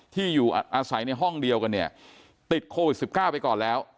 ที่อยู่อาศัยในห้องเดียวกันเนี่ยติดโควิด๑๙ไปก่อนแล้ว